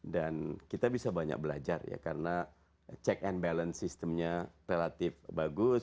dan kita bisa banyak belajar ya karena check and balance sistemnya relatif bagus